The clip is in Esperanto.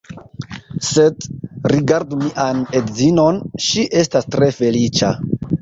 Sed, rigardu mian edzinon, ŝi estas tre feliĉa.